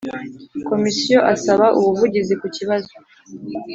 Komisiyo asaba ubuvugizi ku kibazo